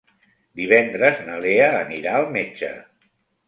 Divendres na Lea anirà al metge.